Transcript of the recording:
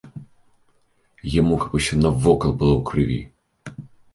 Яму каб усё навокал было ў крыві.